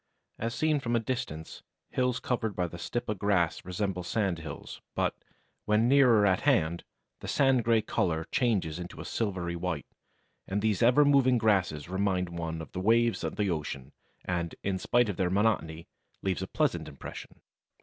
"As seen from a distance hills covered by the Stipa grass resemble sand hills, but, when nearer at hand, the sand grey colour changes into a silvery white, and these ever moving grasses remind one of the waves of the ocean and, in spite of their monotony, leave a pleasant impression."